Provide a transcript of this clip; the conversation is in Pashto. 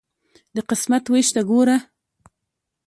د قسمت ویش ته ګوره.